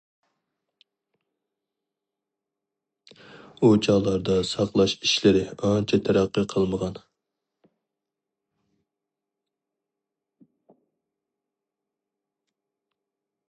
ئۇ چاغلاردا ساقلاش ئىشلىرى ئانچە تەرەققىي قىلمىغان.